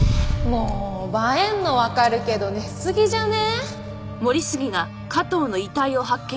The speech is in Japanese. もう映えるのわかるけど寝すぎじゃね？